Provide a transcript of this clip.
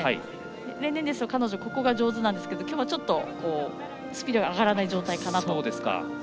例年ですと彼女はここが上手ですが今日はちょっとスピードが上がらない状態かなと。